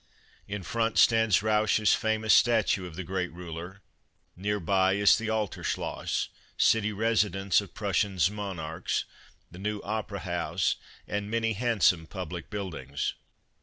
In front stands Ranch's famous statue of the great ruler, near by is the Alter Schloss, city residence of Prussians monarchs, the new Opera House, and many handsome public buildings.